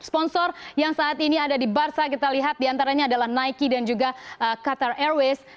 sponsor yang saat ini ada di barca kita lihat diantaranya adalah nike dan juga qatar airways